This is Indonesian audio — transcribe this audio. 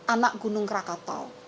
anak gunung krakatau